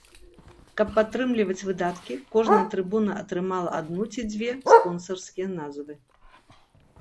Каб падтрымліваць выдаткі, кожная трыбуна атрымала адну ці дзве спонсарскія назвы.